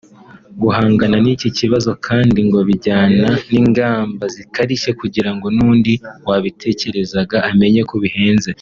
Guhangana n’iki kibazo kandi ngo birajyana n’ingamba zikarishye kugira ngo n’undi wabitekerezaga amenye ko bihenze